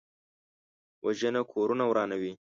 وژنه کورونه ورانوي